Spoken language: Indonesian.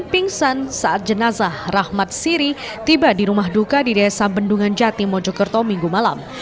pingsan saat jenazah rahmat siri tiba di rumah duka di desa bendungan jati mojokerto minggu malam